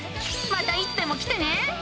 またいつでも来てね。